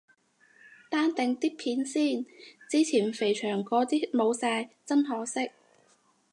單定啲片先，之前肥祥嗰啲冇晒，真可惜。